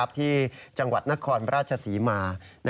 ที่จังหวัดนัครประชาศีมา